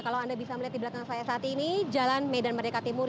kalau anda bisa melihat di belakang saya saat ini jalan medan merdeka timur